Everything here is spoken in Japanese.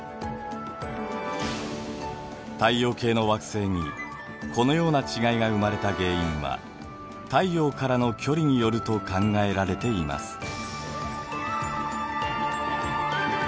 太陽系の惑星にこのような違いが生まれた原因は太陽からの距離によると考えられています。